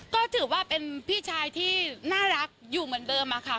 ก็ถือว่าเป็นพี่ชายที่น่ารักอยู่เหมือนเดิมค่ะ